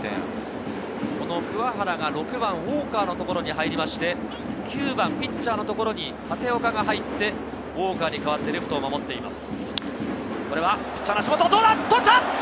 この鍬原が６番・ウォーカーのところに入りまして、９番ピッチャーのところに立岡が入ってウォーカーに代わって、レフトを守っています。